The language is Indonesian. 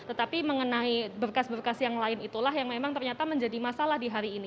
tetapi mengenai berkas berkas yang lain itulah yang memang ternyata menjadi masalah di hari ini